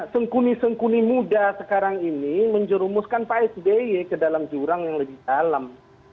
sengkuni sengkuni muda sekarang ini menjerumuskan pak sby ke dalam jurang yang lebih dalam